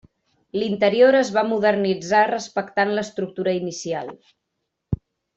L'interior es va modernitzar respectant l'estructura inicial.